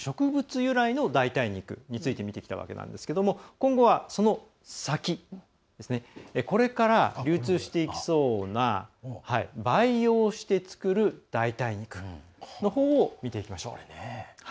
由来の代替肉について見てきたわけなんですが今後はこの先これから流通していきそうな培養して作る代替肉のほうを見ていきましょう。